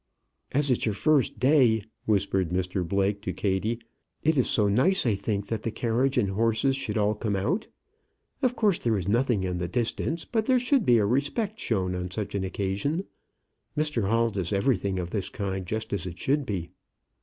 "As it's your first day," whispered Mr Blake to Kattie, "it is so nice, I think, that the carriage and horses should all come out. Of course there is nothing in the distance, but there should be a respect shown on such an occasion. Mr Hall does do everything of this kind just as it should be."